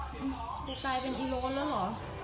กูกลายเป็นอีโลนแล้วหรอ